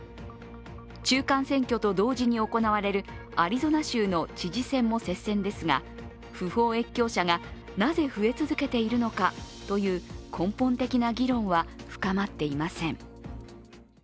中間選挙と同時に行われるアリゾナ州の知事選も接戦ですが不法越境者がなぜ増え続けているのかという根本的な議論は深まっていません。